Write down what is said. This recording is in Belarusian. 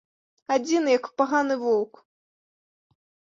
Адзін, як паганы воўк.